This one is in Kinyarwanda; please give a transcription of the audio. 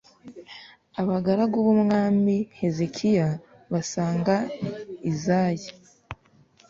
Abagaragu b’umwami Hezekiya basanga Izayi,